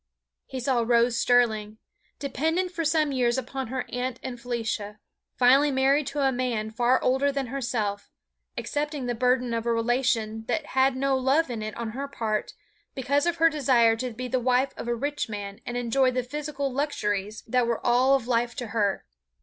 He saw Rose Sterling, dependent for some years upon her aunt and Felicia, finally married to a man far older than herself, accepting the burden of a relation that had no love in it on her part, because of her desire to be the wife of a rich man and enjoy the physical luxuries that were all of life to her.